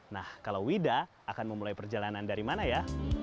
nah kalau wida akan memulai perjalanan dari mana ya